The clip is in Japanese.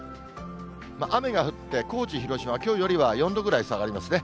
雨が降って、高知、広島、きょうよりは４度ぐらい下がりますね。